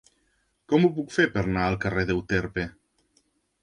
Com ho puc fer per anar al carrer d'Euterpe?